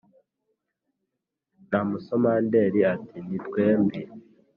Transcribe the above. na musomandera ati ni twembi !